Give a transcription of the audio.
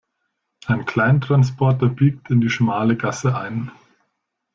Ein Kleintransporter biegt in die schmale Gasse ein.